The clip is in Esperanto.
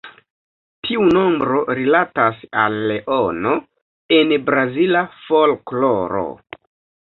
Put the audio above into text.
Tiu nombro rilatas al Leono en brazila folkloro.